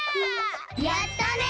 やったね！